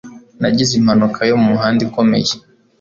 Nagize impanuka yo mumuhanda ikomeye